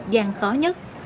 giang khó nhất